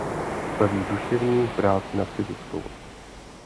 Staví duševní práci nad fyzickou.